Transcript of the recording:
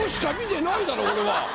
俺は。